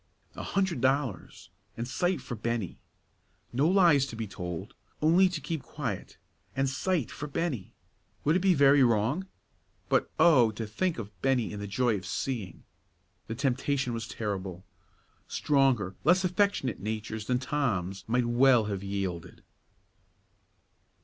A hundred dollars! and sight for Bennie! No lies to be told only to keep quiet and sight for Bennie! Would it be very wrong? But, oh, to think of Bennie in the joy of seeing! The temptation was terrible. Stronger, less affectionate natures than Tom's might well have yielded.